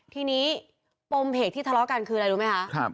ทีนี้ปมเหตุที่ทะเลาะกันคืออะไรรู้ไหมคะ